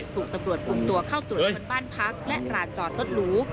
ถูกตำรวจคุมตัวเข้าตรวจค้นบ้านพักและร้านจอดรถหรู